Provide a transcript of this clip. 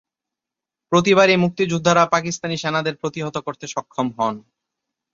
প্রতিবারই মুক্তিযোদ্ধারা পাকিস্তানি সেনাদের প্রতিহত করতে সক্ষম হন।